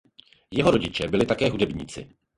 Jeho rodiče byli také hudebníci.